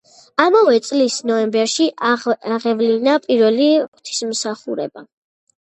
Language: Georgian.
ამავე წლის ნოემბერში აღევლინა პირველი ღვთისმსახურება.